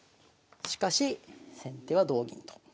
しかし先手は同銀と。